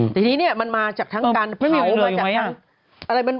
แต่ทีนี้เนี่ยมันมาจากทั้งการเผามาจากทั้ง